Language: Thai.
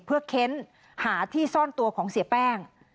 เพื่อเค้นหาที่ซ่อนตัวของเสียแป้ง